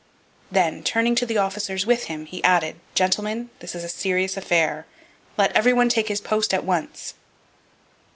Then, turning to the officers with him, he added: 'Gentlemen, this is a serious affair. Let every one take post at once!'